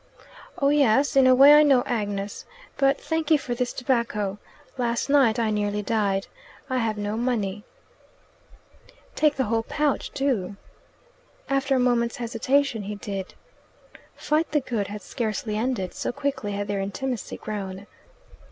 "Oh yes. In a way I know Agnes. But thank you for this tobacco. Last night I nearly died. I have no money." "Take the whole pouch do." After a moment's hesitation he did. "Fight the good" had scarcely ended, so quickly had their intimacy grown.